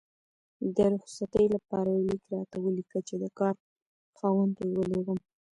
د رخصتي لپاره یو لیک راته ولیکه چې د کار خاوند ته یې ولیږم